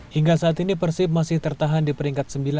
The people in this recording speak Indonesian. hingga saat ini persib masih tertahan di peringkat sembilan